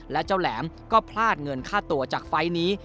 และเจ้าแหลมก็พลาดเงินค่าตัวจากไฟล์นี้